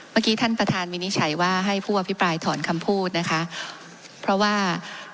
เมื่อกี้ท่านประธานวินิจฉัยว่าให้ผู้อภิปรายถอนคำพูดนะคะเพราะว่า